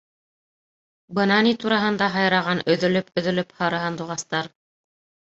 Бына ни тураһында һайраған өҙөлөп-өҙөлөп һары һандуғастар.